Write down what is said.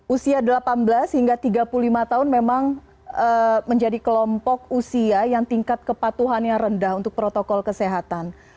usia delapan belas hingga tiga puluh lima tahun memang menjadi kelompok usia yang tingkat kepatuhannya rendah untuk protokol kesehatan